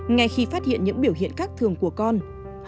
ngay khi phát hiện những biểu hiện các thường của công nghệ